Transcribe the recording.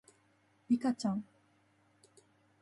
リカちゃん